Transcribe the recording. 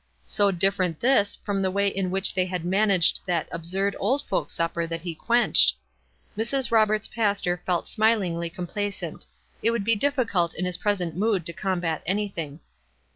So different this from the way in which they had managed that absurd old folks' supper that he quenched. Mrs. Roberts' pastor felt smilingly complacent. It would be diffi cult in his present mood to combat anything.